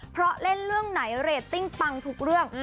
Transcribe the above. เพราะเล่นเรื่องไหนเรตติ้งปังทุกเรื่อง